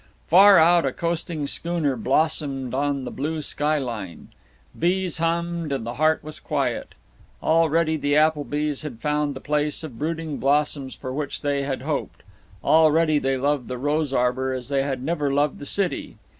Far out a coasting schooner blossomed on the blue skyline. Bees hummed and the heart was quiet. Already the Applebys had found the place of brooding blossoms for which they had hoped; already they loved the rose arbor as they had never loved the city.